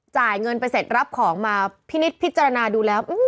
จ่ายเงินไปเสร็จรับของมาพินิษฐพิจารณาดูแล้ว